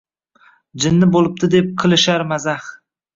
Jinni bo’libdi deb qilishar mazax.